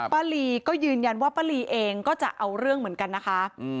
ป้าลีก็ยืนยันว่าป้าลีเองก็จะเอาเรื่องเหมือนกันนะคะ